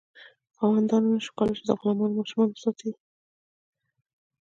خاوندانو نشو کولی چې د غلامانو ماشومان وساتي.